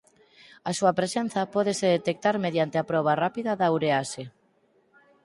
A súa presenza pódese detectar mediante a proba rápida da urease.